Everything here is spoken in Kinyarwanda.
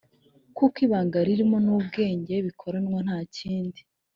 kuko ibanga ririmo ni ubwenge bikoranwa nta kindi